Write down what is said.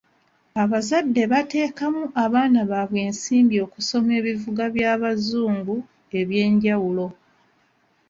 Abazadde bateekamu baana baabwe ensimbi okusoma ebivuga by'abazungu eby'enjawulo.